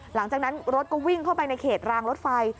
หลังจากนั้นรถก็วิ่งเข้าไปในเขตรางรถไฟ